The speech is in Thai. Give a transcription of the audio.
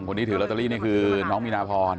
ถือลอตเตอรี่นี่คือน้องมีนาพร